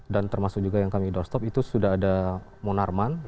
dan termasuk juga yang kami doorstop itu sudah ada monarman